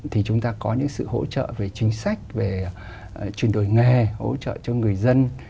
thì chúng ta có những sự hỗ trợ về chính sách về chuyển đổi nghề hỗ trợ cho người dân